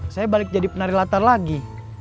saya balik jadi penari latar lagi